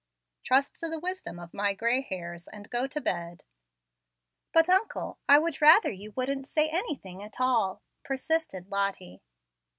Trust to the wisdom of my gray hairs and go to bed." "But, uncle, I would rather you wouldn't say anything at all," persisted Lottie.